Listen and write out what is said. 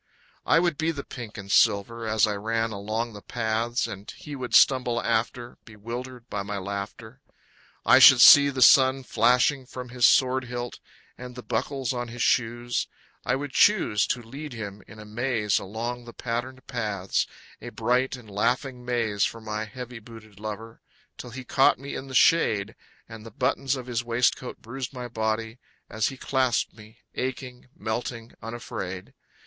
I would be the pink and silver as I ran along the paths, And he would stumble after, Bewildered by my laughter. I should see the sun flashing from his sword hilt and the buckles on his shoes. I would choose To lead him in a maze along the patterned paths, A bright and laughing maze for my heavy booted lover, Till he caught me in the shade, And the buttons of his waistcoat bruised my body as he clasped me, Aching, melting, unafraid.